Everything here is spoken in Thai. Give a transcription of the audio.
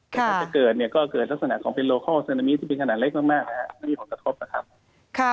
ถ้าเกิดก็จะเกิดลักษณะของเป็นโลเคาลซึนามิที่เป็นขนาดเล็กมากแล้วไม่มีพวกกระทบนะครับ